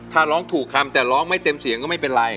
ถ้าร้องถูกคำแต่ร้องไม่เต็มเสียงก็ไม่เป็นไร